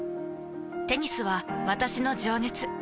テニスは私の情熱。